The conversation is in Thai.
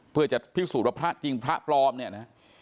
เพื่อจะพิสูจน์ว่าพระจริงพระปลอมเนี่ยนะ